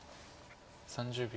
３０秒。